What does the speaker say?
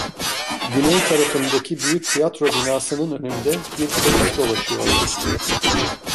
Güney tarafındaki büyük tiyatro binasının önünde bir polis dolaşıyordu.